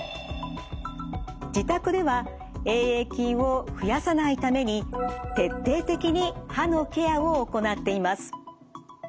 自宅ではＡ．ａ．菌を増やさないために徹底的に歯のケアを行っています。